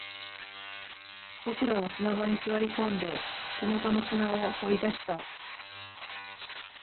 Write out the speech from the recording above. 僕らは砂場に座り込んで、手元の砂を掘り出した